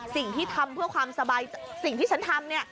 สิ่งที่ทำเพื่อความสบายสิ่งที่ฉันทำเนี่ย